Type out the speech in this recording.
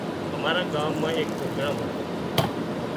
امارا ڳام مان ايڪ پروگرام هتو